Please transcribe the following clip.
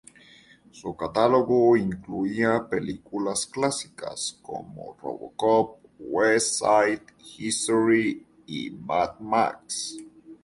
Su catálogo incluía películas clásicas como Robocop, West Side History y Mad Max.